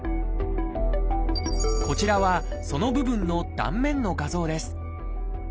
こちらはその部分の断面の画像です。